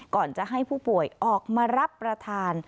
ก่อนจะให้ผู้ป่วยออกมารับประทาน